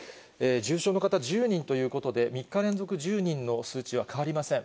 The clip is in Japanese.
重症の方１０人ということで、３日連続１０人の数値は変わりません。